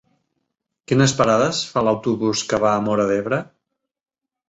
Quines parades fa l'autobús que va a Móra d'Ebre?